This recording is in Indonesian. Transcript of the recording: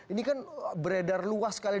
ini kan beredar luas sekali